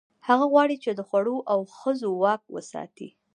هغه غواړي، چې د خوړو او ښځو واک وساتي.